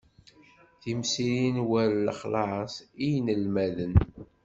Timsirin war lexlaṣ i yinelmaden.